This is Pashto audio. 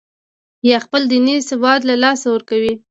یا خپل دیني سواد له لاسه ورکړي.